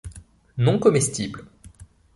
Non comestible.